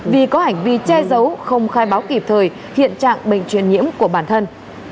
vì có hành vi che giấu không khai báo kịp thời hiện trạng bệnh truyền nhiễm của bản thân